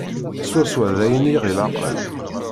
Swaswa d ayen i ɣ-ilaqen.